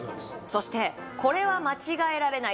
そしてこれは間違えられない